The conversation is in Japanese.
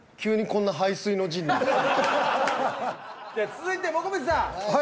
続いてもこみちさん。